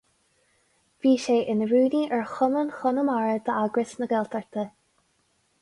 Bhí sé ina rúnaí ar chumann Chonamara d'Eagras na Gaeltachta.